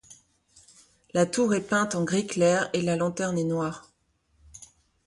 La tour est peinte en gris clair et la lanterne est noire.